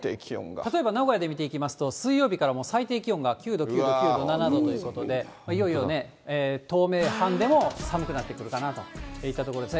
例えば、名古屋で見ていきますと、水曜日から最低気温が９度、９度、９度、７度ということで、いよいよね、東名阪でも寒くなってくるかなといったところですね。